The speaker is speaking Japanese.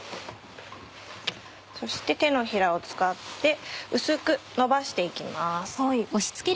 そして手のひらを使って薄くのばして行きます。